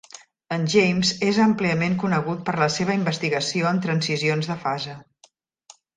En James és àmpliament conegut per la seva investigació en transicions de fase.